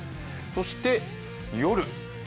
そして夜。